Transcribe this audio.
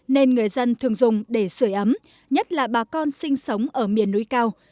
nên người dân thường dùng để sửa ấm nhất là bà con sinh sống ở miền núi cao